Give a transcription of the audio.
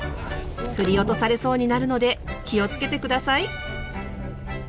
振り落とされそうになるので気を付けて下さい。